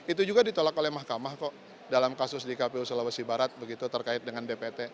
itu juga ditolak oleh mahkamah kok dalam kasus di kpu sulawesi barat begitu terkait dengan dpt